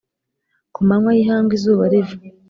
ku manywa y'ihangu izuba riva